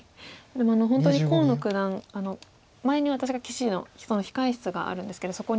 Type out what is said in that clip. でも本当に河野九段前に私が棋士の控え室があるんですけど。